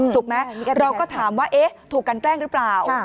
ถูกไหมเราก็ถามว่าเอ๊ะถูกกันแกล้งหรือเปล่า